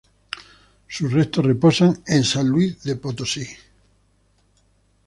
Sus restos reposan en San Luis Potosí.